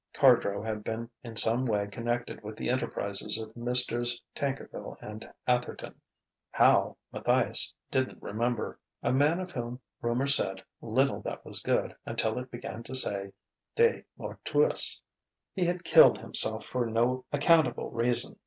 Cardrow had been in some way connected with the enterprises of Messrs. Tankerville & Atherton; how, Matthias didn't remember; a man of whom rumour said little that was good until it began to say De mortuis.... He had killed himself for no accountable reason.